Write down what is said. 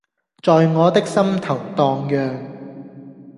在我的心頭蕩漾